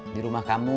di rumah kamu